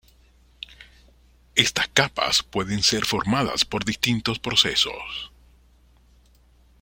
Estas capas pueden ser formadas por distintos procesos.